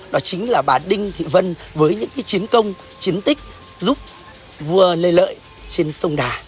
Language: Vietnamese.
đó chính là bà đinh thị vân với những chiến công chiến tích giúp vua lê lợi trên sông đà